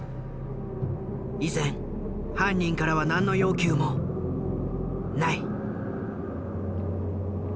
依然犯人からは何の要求もない。